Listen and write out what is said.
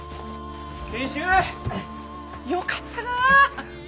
賢秀よかったな！